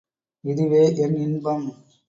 இதுவே என் இன்பம்.